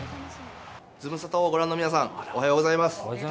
ズムサタをご覧の皆さん、おはようございます。